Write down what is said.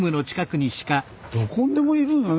どこにでもいるよね。